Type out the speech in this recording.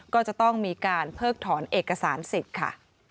ก็จะต้องมีการเพิกถอนเอกสารสิทธิ์ค่ะ